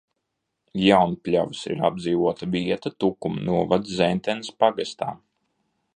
Jaunpļavas ir apdzīvota vieta Tukuma novada Zentenes pagastā.